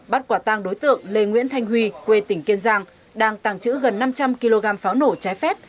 bắt quả tang đối tượng lê nguyễn thanh huy quê tỉnh kiên giang đang tàng trữ gần năm trăm linh kg pháo nổ trái phép